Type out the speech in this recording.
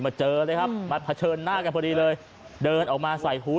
เจอเลยครับมาเผชิญหน้ากันพอดีเลยเดินออกมาใส่หู